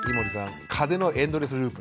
「風邪のエンドレスループ」。